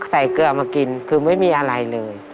เกลือมากินคือไม่มีอะไรเลย